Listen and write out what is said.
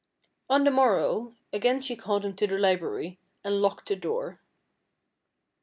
On the morrow, again she called him to the library, and locked the door.